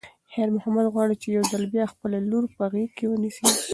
خیر محمد غواړي چې یو ځل بیا خپله لور په غېږ کې ونیسي.